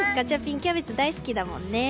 キャベツ大好きだもんね。